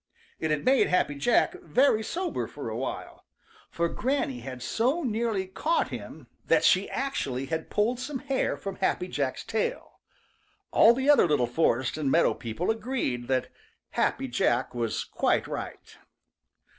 It had made Happy Jack very sober for a while, for Granny had so nearly caught him that she actually had pulled some hair from Happy Jack's tail. All the other little forest and meadow people agreed that Happy Jack was quite right.